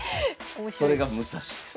それが武蔵です。